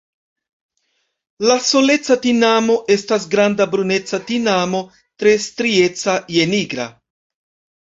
La Soleca tinamo estas granda bruneca tinamo tre strieca je nigra.